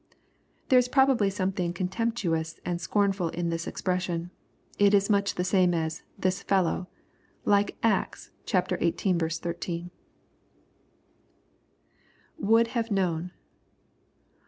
] There is probably something contemptuous and scornful in tiiis expression. It is much the same as " this fellow," like Acts xviii. 13. [ Would have knoton.